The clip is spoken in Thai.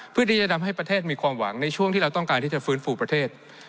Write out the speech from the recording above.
เพื่อที่จะทำให้ประเทศมีความหวังในช่วงที่เราต้องการที่จะฟื้นฟูประเทศ